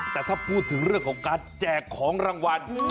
แต่ถ้าพูดถึงเรื่องของการแจกของรางวัล